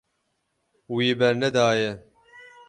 Wî bernedaye.